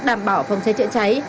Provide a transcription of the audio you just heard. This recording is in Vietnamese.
đảm bảo phòng cháy chữa cháy